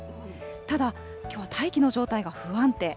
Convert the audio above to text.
ただ、きょう、大気の状態が不安定。